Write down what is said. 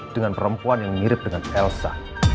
dengan perempuan yang mirip dengan elsa